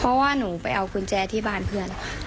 เพราะว่าหนูไปเอากุญแจที่บ้านเพื่อน